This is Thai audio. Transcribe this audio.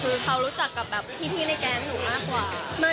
คือเขารู้จักกับพี่ในแก๊งหนูมากกว่า